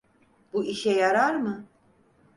Bu işe yarar mı?